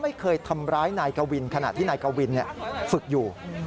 ไม่เคยทำร้ายนายกวินขณะที่นายกวินฝึกอยู่